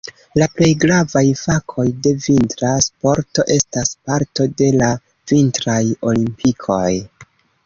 La plej gravaj fakoj de vintra sporto estas parto de la Vintraj Olimpikoj.